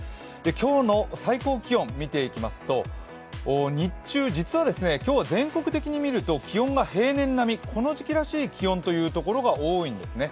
今日の最高気温見ていきますと、日中、実は今日は全国的に見ると気温が平年並み、この時期らしい気温という所が多いんですね。